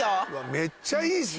めっちゃいいですね。